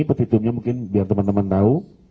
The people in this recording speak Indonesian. petitumnya mungkin biar teman teman tahu